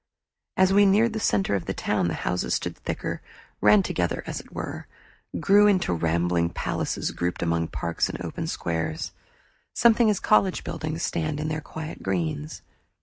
As we neared the center of the town the houses stood thicker, ran together as it were, grew into rambling palaces grouped among parks and open squares, something as college buildings stand in their quiet greens.